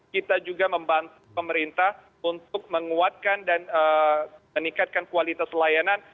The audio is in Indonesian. kita juga membantu pemerintah untuk menguatkan dan meningkatkan kualitas layanan